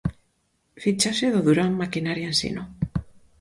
Fichaxe do Durán Maquinaria Ensino.